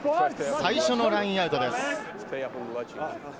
最初のラインアウトです。